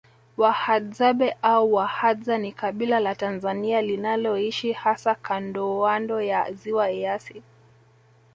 Wahadzabe au Wahadza ni kabila la Tanzania linaloishi hasa kandooando ya ziwa Eyasi